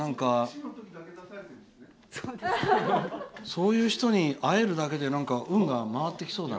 そういう人に会えるだけで運が回ってきそうだな。